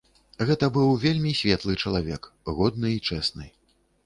Гэта быў вельмі светлы чалавек, годны і чэсны.